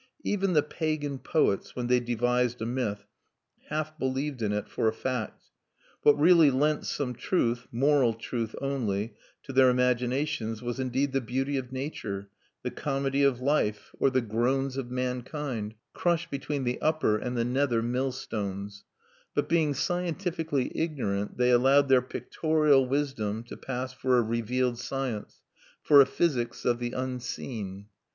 Even the pagan poets, when they devised a myth, half believed in it for a fact. What really lent some truth moral truth only to their imaginations was indeed the beauty of nature, the comedy of life, or the groans of mankind, crushed between the upper and the nether millstones; but being scientifically ignorant they allowed their pictorial wisdom to pass for a revealed science, for a physics of the unseen.